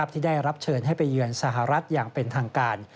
ที่ได้รับเชิญให้ไปเยือนสหรัฐอย่างเป็นทางการ